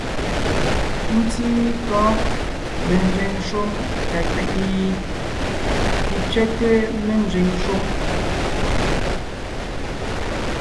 Ńtíí kɔ́ menzẅìŋ shúm ka kẅí’i ? Pì tsẅɛ́té ménzẅìŋ shúm.